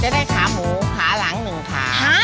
ได้ขาหมูขาหลัง๑ขา